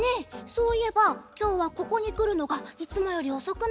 そういえばきょうはここにくるのがいつもよりおそくなかった？